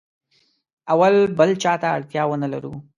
او بل چاته اړتیا ونه لرو.